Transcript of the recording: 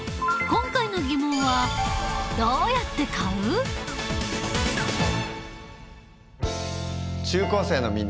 今回のテーマは「どうやって買うか」。